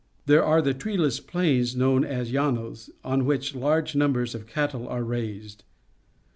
There are the treeless plains known as llanos, on which large numbers of cattle are raised.